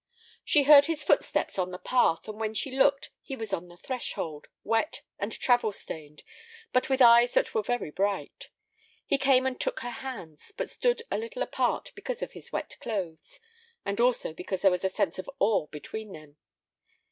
She heard his footsteps on the path, and when she looked he was on the threshold, wet and travel stained, but with eyes that were very bright. He came and took her hands, but stood a little apart because of his wet clothes, and also because there was a sense of awe between them.